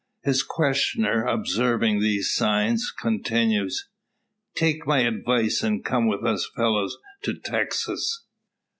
His questioner, observing these signs, continues, "T'ike my advice, and come with us fellows to Texas.